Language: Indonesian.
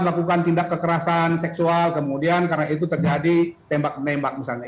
melakukan tindak kekerasan seksual kemudian karena itu terjadi tembak menembak misalnya